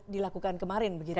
dilakukan kemarin begitu ya